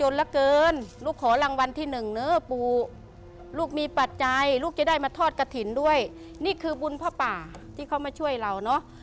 นี่คือบุญพ่อป่าที่เขามาช่วยเราเนอะ